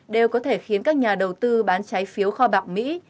đều có thể khiến các nhà đầu tư bán trái phiếu kho bạc mỹ